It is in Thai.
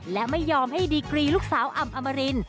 และไม่ยอมให้ดีกรีลูกสาวอ่ำอมริน